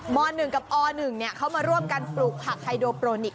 ม๑กับอ๑เขามาร่วมกันปลูกผักไฮโดโปรนิกส